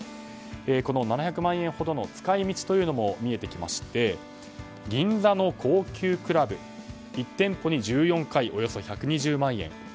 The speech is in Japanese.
この７００万円ほどの使い道も見えてきまして銀座の高級クラブ１店舗に１４回およそ１２０万円。